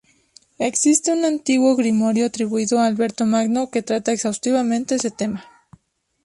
Existe un antiguo grimorio atribuido a Alberto Magno que trata exhaustivamente ese tema.